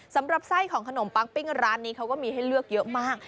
สำหรับไส้ของขนมปั๊งปิ้งร้านนี้เขาก็มีให้เลือกเยอะมาก